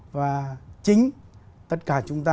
và chính tất cả chúng ta